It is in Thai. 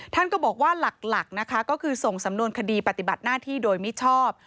ท่านก็บอกว่าหลักนะคะก็คือส่งสำนวนคดีปฏิบัติหน้าที่โดยมิชอบ